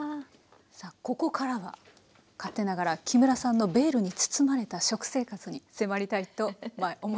さあここからは勝手ながら木村さんのベールに包まれた食生活に迫りたいと思います。